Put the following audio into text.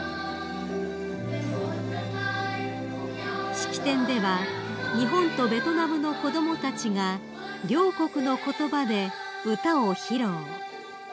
［式典では日本とベトナムの子供たちが両国の言葉で歌を披露］